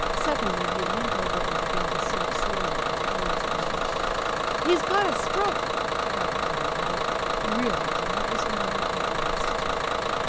Suddenly he leant over and began to sink slowly into Colia's arms. "He's got a stroke!" cried Colia, loudly, realizing what was the matter at last.